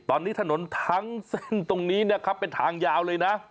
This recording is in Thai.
ตอนนี้ถนนทั้งเส้นตรงนี้นะครับเป็นทางยาวเลยนะ